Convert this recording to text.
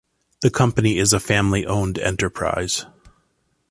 The company is a family-owned enterprise.